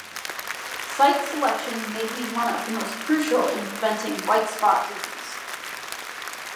Site selection may be one of the most crucial in preventing White Spot Disease.